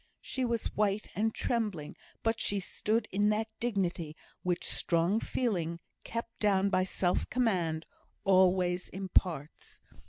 She was white and trembling; but she stood in that dignity which strong feeling, kept down by self command, always imparts.